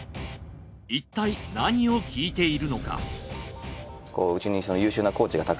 いったい何を聞いているのか？